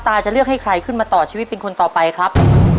จะเลือกให้ใครขึ้นมาต่อชีวิตเป็นคนต่อไปครับ